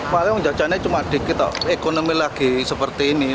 paling jajannya cuma dikit ekonomi lagi seperti ini